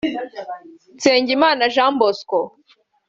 Nsengimana Jean Bosco